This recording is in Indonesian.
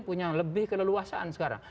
punya lebih keleluasaan sekarang